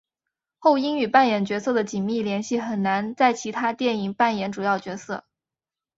后因与扮演角色的紧密联系很难在其他电影扮演主要角色。